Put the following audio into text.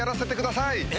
え？